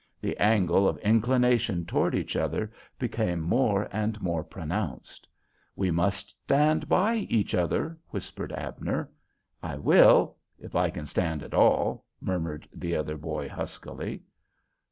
The angle of inclination toward each other became more and more pronounced. "We must stand by each other," whispered Abner. "I will—if I can stand at all," murmured the other boy, huskily.